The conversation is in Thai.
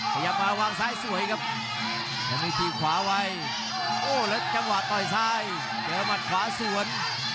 พยายามมาวางซ้ายสวยครับยังมีจีบขวาไว้โอ้แล้วจังหวะต่อยซ้ายเจอหมัดขวาสวน